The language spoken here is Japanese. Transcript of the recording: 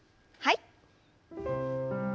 はい。